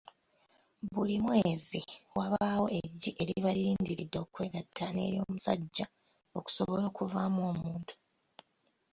Buli mwezi wabaawo eggi eriba lirindiridde okwegatta ne ery'omusajja okusobola okuvaamu omuntu.